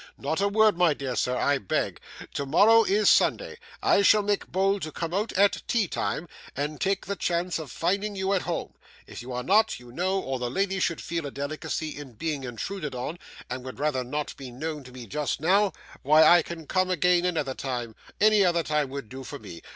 Not a word, my dear sir, I beg. Tomorrow is Sunday. I shall make bold to come out at teatime, and take the chance of finding you at home; if you are not, you know, or the ladies should feel a delicacy in being intruded on, and would rather not be known to me just now, why I can come again another time, any other time would do for me.